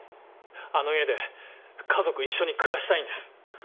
あの家で家族一緒に暮らしたいんです。